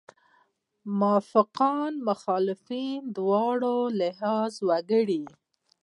موافقان مخالفان دواړه لحاظ وکړي.